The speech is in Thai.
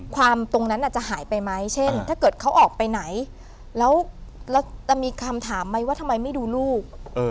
ความตรงนั้นอาจจะหายไปไหมเช่นถ้าเกิดเขาออกไปไหนแล้วจะมีคำถามไหมว่าทำไมไม่ดูลูก